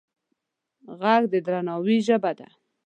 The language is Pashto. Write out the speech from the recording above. غږ د درناوي ژبه ده